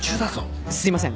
すいません。